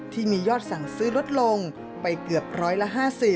ที่มียอดสั่งซื้อลดลงไปเกือบร้อยละ๕๐